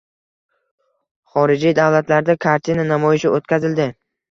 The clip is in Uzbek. Xorijiy davlatlarda kartina namoyishi o‘tkazildi.